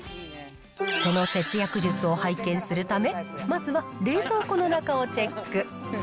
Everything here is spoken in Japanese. その節約術を拝見するため、まずは冷蔵庫の中をチェック。